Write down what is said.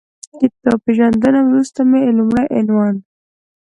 کتاب پېژندنې وروسته مې لومړی عنوان